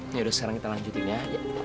yaudah sekarang kita lanjutin ya